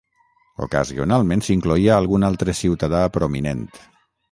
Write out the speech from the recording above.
Ocasionalment s'incloïa algun altre ciutadà prominent.